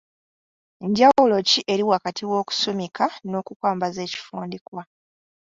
Njawulo ki eri wakati w’okusumika n’okukwambaza ekifundikwa?